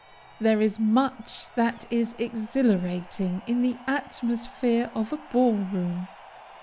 There is much that is exhilarating in the atmosphere of a ball room.